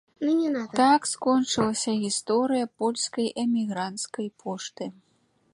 Так скончылася гісторыя польскай эмігранцкай пошты.